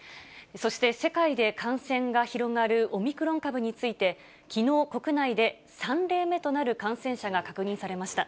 そして世界で感染が広がるオミクロン株について、きのう、国内で３例目となる感染者が確認されました。